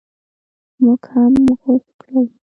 موږ هم غوڅ کړل.